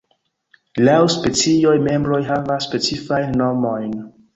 Laŭ specioj, membroj havas specifajn nomojn.